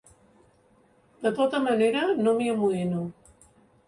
De tota manera, no m'amoïno.